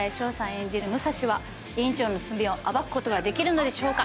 演じる武蔵は院長の罪を暴くことができるのでしょうか？